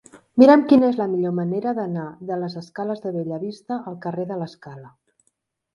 Mira'm quina és la millor manera d'anar de les escales de Bellavista al carrer de l'Escala.